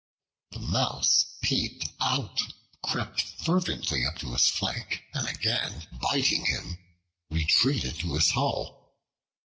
The Mouse peeped out, crept furtively up his flank, and again biting him, retreated to his hole.